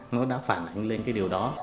nó đã phản ảnh lên cái điều đó